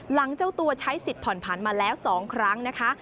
เจ้าตัวใช้สิทธิ์ผ่อนผันมาแล้ว๒ครั้งนะคะ